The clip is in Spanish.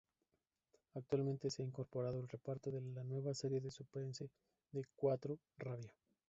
Actualmente, se ha incorporado al reparto del nueva serie de suspense de Cuatro, Rabia.